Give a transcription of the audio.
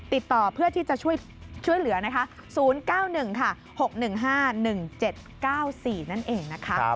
ติดต่อเพื่อที่จะช่วยเหลือ๐๙๑๖๑๕๑๗๙๔นั่นเอง